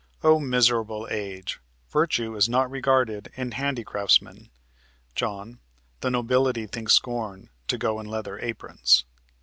O miserable age! Virtue is not regarded in handicraftsmen. John. The nobility think scorn to go in leather aprons."